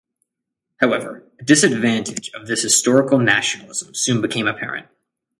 However, a disadvantage of this historical nationalism soon became apparent.